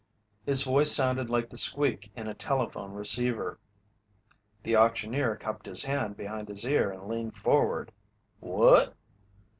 His voice sounded like the squeak in a telephone receiver. The auctioneer cupped his hand behind his ear and leaned forward: "What?"